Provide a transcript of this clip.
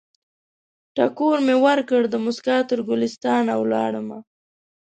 ټکور مې ورکړ، دموسکا تر ګلستان ولاړمه